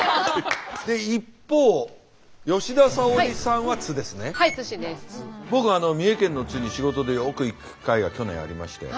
で一方僕三重県の津に仕事でよく行く機会が去年ありまして。